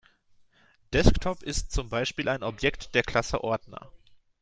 Desktop ist zum Beispiel ein Objekt der Klasse Ordner.